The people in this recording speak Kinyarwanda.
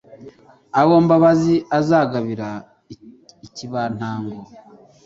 Abo Mbabazi azagabira i Kibantango